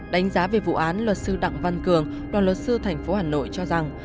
đánh giá về vụ án luật sư đặng văn cường đoàn luật sư tp hà nội cho rằng